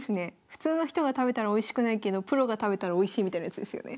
普通の人が食べたらおいしくないけどプロが食べたらおいしいみたいなやつですよね？